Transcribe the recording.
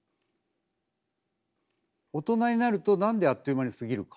大人になるとなんであっという間に過ぎるか？